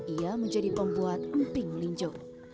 iya menjadi pembuat mping melinjo